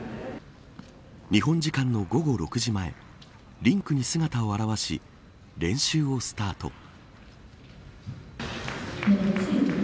日本時間の午後６時前リンクに姿を現し練習をスタート。